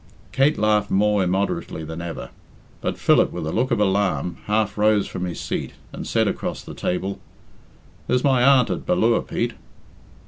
Kate laughed more immoderately than ever; but Philip, with a look of alarm, half rose from his seat, and said across the table, "There's my aunt at Ballure, Pete."